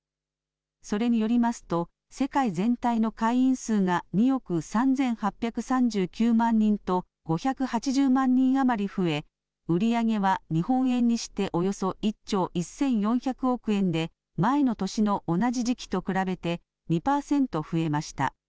それによりますと世界全体の会員数が２億３８３９万人と５８０万人余り増え売り上げは日本円にしておよそ１兆１４００億円で前の年の同じ時期と比べて２％増えました。